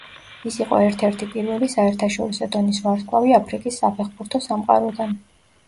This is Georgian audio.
ის იყო ერთ-ერთი პირველი საერთაშორისო დონის ვარსკვლავი აფრიკის საფეხბურთო სამყაროდან.